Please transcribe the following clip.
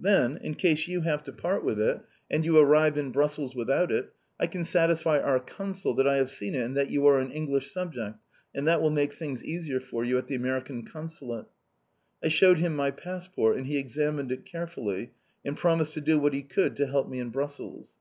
Then, in case you have to part with it, and you arrive in Brussels without it, I can satisfy our Consul that I have seen it, and that you are an English subject, and that will make things easier for you at the American Consulate." I showed him my passport, and he examined it carefully and promised to do what he could to help me in Brussels.